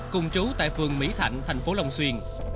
cùng trú tại phường mỹ thạnh thành phố long xuyên